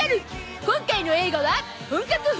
今回の映画は本格風！？